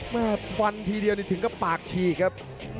มาฟันทีเดียวถึงก็ปากฉีกครับ